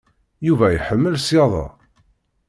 Yuba iḥemmel ṣyada.